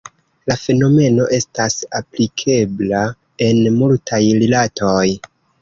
La fenomeno estas aplikebla en multaj rilatoj.